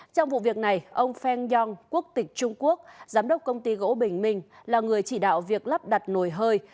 trong vụ việc này ông feng yong quốc tịch trung quốc giám đốc công ty gỗ bình minh là người chỉ đạo việc lắp đặt nồi hơi